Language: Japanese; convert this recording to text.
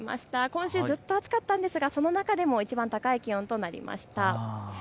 今週ずっと暑かったんですがその中でもいちばん高い気温となりました。